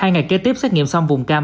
hai ngày kế tiếp xét nghiệm xong vùng cao